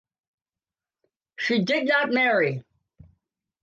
She did not marry.